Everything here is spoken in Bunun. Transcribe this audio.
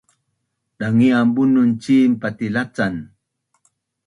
dangi’an bunun cin patilacan